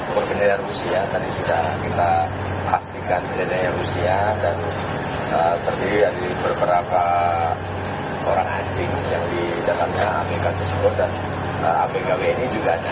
berbendera rusia tadi sudah kita pastikan bendera rusia dan terdiri dari beberapa orang asing yang didatangkan amerika tiongkok dan abkb ini juga ada